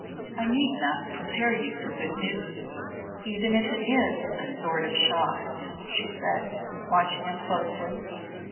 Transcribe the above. "I need not prepare you for good news even if it is a sort of shock," she said, watching him closely.